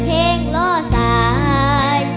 ขอบคุณครับ